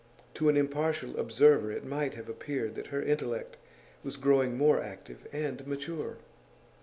To an impartial observer it might have appeared that her intellect was growing more active and mature.